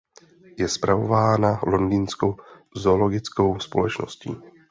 Je spravována Londýnskou zoologickou společností.